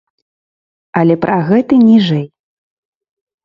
Але пра гэты ніжэй.